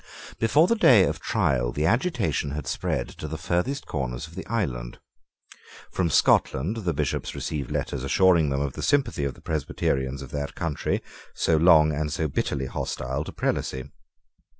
Before the day of trial the agitation had spread to the farthest corners of the island. From Scotland the Bishops received letters assuring them of the sympathy of the Presbyterians of that country, so long and so bitterly hostile to prelacy.